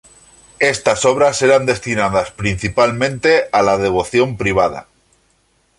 Estas obras eran destinadas principalmente a la devoción privada.